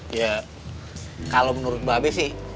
ya kalau menurut mba be sih